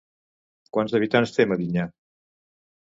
Quants habitants té Medinyà?